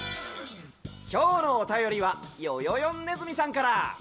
きょうのおたよりはよよよんネズミさんから。